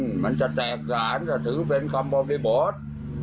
ทุกคนมันจะแตกตานและถือเป็นคำพบดุปร์ท